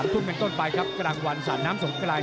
ทุ่มเป็นต้นไปครับกลางวันสาดน้ำสงกราน